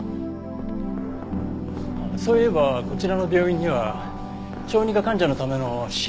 そういえばこちらの病院には小児科患者のための支援